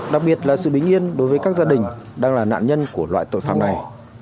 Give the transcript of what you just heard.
đặc biệt là sự bình yên đối với các gia đình đang là nạn nhân của loại tội phạm này